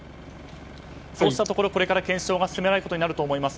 そうしたところこれから検証が進められると思います。